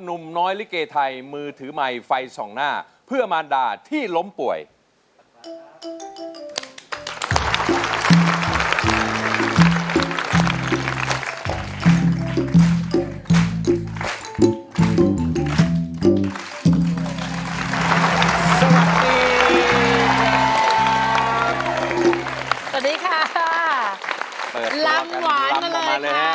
สวัสดีค่ะลำหวานมาเลยค่ะ